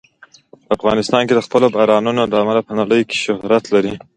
افغانستان د خپلو بارانونو له امله په نړۍ کې شهرت لري.